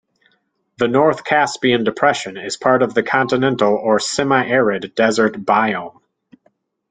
The North Caspian depression is part of the continental or semi-arid desert biome.